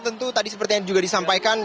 tentu tadi seperti yang juga disampaikan